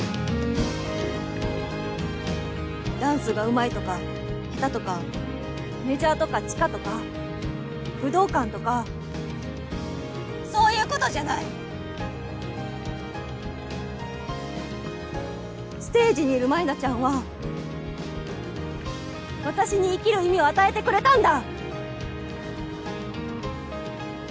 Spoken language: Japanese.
えっダンスがうまいとか下手とかメジャーとか地下とか武道館とかそういうことじゃないステージにいる舞菜ちゃんは私に生きる意味を与えてくれたんだ！